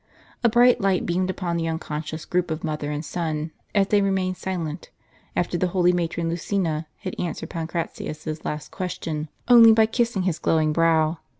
A bright light beamed upon the unconscious group of mother and son, as they remained silent, after the holy matron Lucina had answered Pancratius's last question only by kissing his glowing brow.